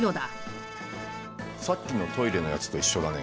さっきのトイレのやつと一緒だね。